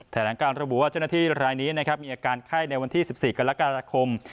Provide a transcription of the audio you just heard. แถลงการระบุว่าเจ้าหน้าที่รายนี้นะครับมีอาการไข้ในวันที่๑๔กรกฎาคม